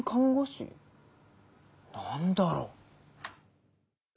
何だろう？